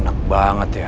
enak banget ya